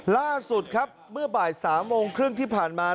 ล่าสุดครับเมื่อบ่าย๓โมงครึ่งที่ผ่านมา